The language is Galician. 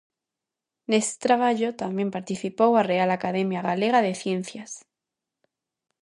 Neste traballo tamén participou a Real Academia Galega de Ciencias.